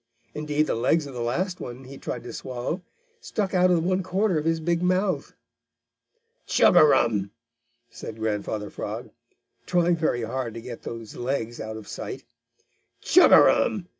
Indeed the legs of the last one he tried to swallow stuck out of one corner of his big mouth. "Chug a rum!" said Grandfather Frog, trying very hard to get those legs out of sight. "Chug a rum!